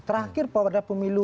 terakhir pada pemilu